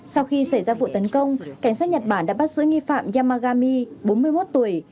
sau khi xảy ra vụ tấn công cảnh sát nhật bản đã bắt giữ nghi phạm yamagami bốn mươi một tuổi